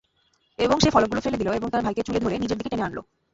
এবং সে ফলকগুলো ফেলে দিল আর তার ভাইকে চুলে ধরে নিজের দিকে টেনে আনল।